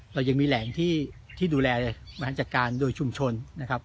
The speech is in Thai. เรายังมีแหล่งที่ดูแลบริหารจัดการโดยชุมชนนะครับ